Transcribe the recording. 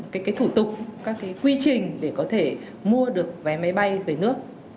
các cái thủ tục các cái quy trình để có thể mua được vé máy bay về nước